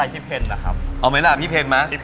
ผมไม่ใจพี่เพนนะครับ